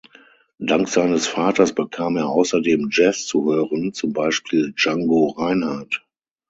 Dank seines Vaters bekam er außerdem Jazz zu hören, zum Beispiel Django Reinhardt.